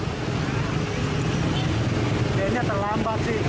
kayaknya terlambat sih